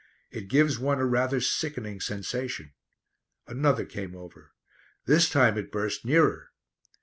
It gives one rather a sickening sensation. Another came over. This time it burst nearer.